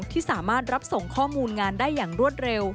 ที่สามารถรับส่งข้อมูลงานได้อย่างรวดเร็ว